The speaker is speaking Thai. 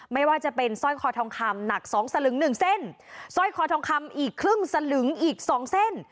ไม่ว่าจะเป็นสร้อยคอทองคำหนักสองสลึงหนึ่งเส้นสร้อยคอทองคำอีกครึ่งสลึงอีกสองเส้น